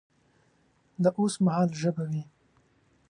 د اوس مهال ژبه وي